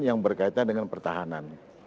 yang berkaitan dengan pertahanan